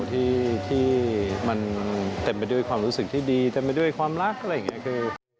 ที่มันเต็มไปด้วยความรู้สึกที่ดีเต็มไปด้วยความรักอะไรอย่างนี้คือ